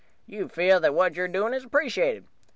You feel that what you're doing is appreciated.